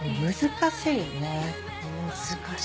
難しいね。